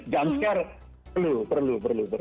jumshare perlu perlu perlu